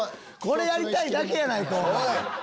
これやりたいだけやないか！